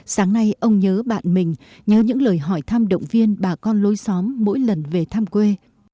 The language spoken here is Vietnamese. sáng nay ông nhớ bạn mình nhớ những lời hỏi thăm động viên bà con lối xóm mỗi lần về thăm quê